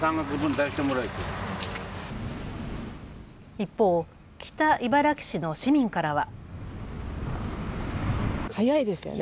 一方、北茨城市の市民からは。